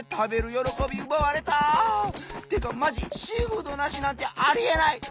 よろこびうばわれた！ってかマジシーフードなしなんてありえない！